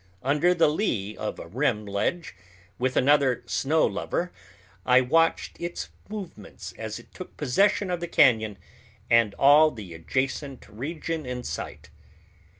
Under the lee of a rim ledge, with another snow lover, I watched its movements as it took possession of the cañon and all the adjacent region in sight.